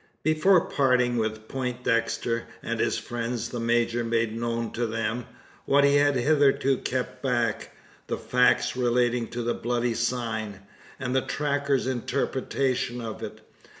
Before parting with Poindexter and his friends, the major made known to them what he had hitherto kept back the facts relating to the bloody sign, and the tracker's interpretation of it.